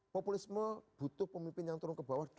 populisme butuh pemimpin yang turun ke bawah dua ribu empat belas